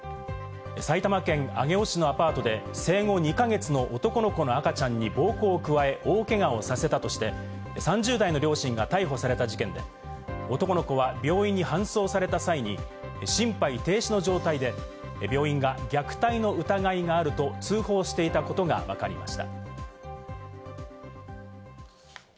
埼玉県上尾市のアパートで生後２か月の男の子の赤ちゃんに暴行を加え、大けがをさせたとして、３０代の両親が逮捕された事件で、男の子は病院に搬送された際に心肺停止の状態で病院が、虐待の疑いがあると通報していたことがわかりました。